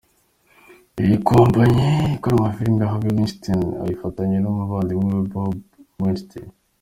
Iyi kompanyi ikora amafilime Harvey Weinstein ayifatanyije n’umuvandimwe we Bob Weinstein.